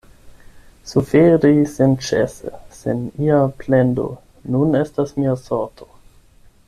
Suferi senĉese, sen ia plendo, nun estas mia sorto.